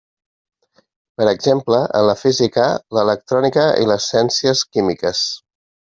Per exemple, en la física, l'electrònica i les ciències químiques.